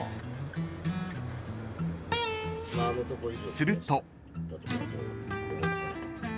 ［すると］